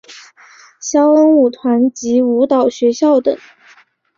萧恩舞团及舞蹈学校等。